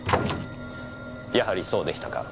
やはりそうでしたか。